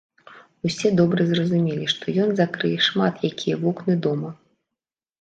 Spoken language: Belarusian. Усе добра зразумелі, што ён закрые шмат якія вокны дома.